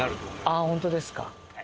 あっホントですか。